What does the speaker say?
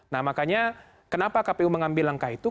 nah makanya kenapa kpu mengambil langkah itu